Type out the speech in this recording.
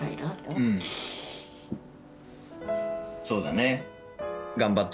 そうだね。